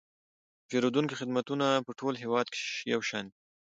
د پیرودونکو خدمتونه په ټول هیواد کې یو شان دي.